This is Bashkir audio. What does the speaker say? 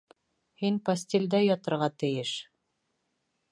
Һин постелдә ятырға тейеш